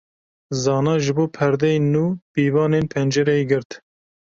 Zana ji bo perdeyên nû pîvanên pencereyê girt.